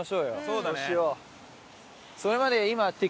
そうしよう。